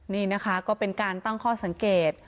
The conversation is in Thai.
นี่นะคะก็เป็นการตั้งข้อสังเกต